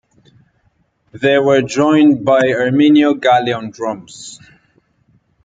They were joined by Erminio Galli on drums.